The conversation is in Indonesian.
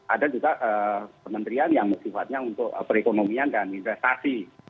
ada juga kementerian yang sifatnya untuk perekonomian dan investasi